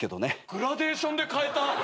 グラデーションで変えた。